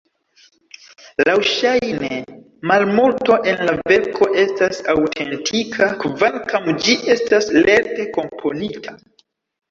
Laŭŝajne, malmulto en la verko estas aŭtentika, kvankam ĝi estas lerte komponita.